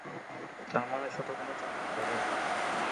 তার মানে ছোট কোনো চাকরি করে।